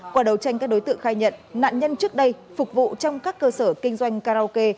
qua đấu tranh các đối tượng khai nhận nạn nhân trước đây phục vụ trong các cơ sở kinh doanh karaoke